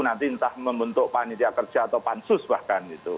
nanti entah membentuk panitia kerja atau pansus bahkan gitu